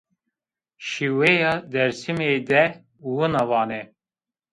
Şiweya Dêrsimî de wina vanê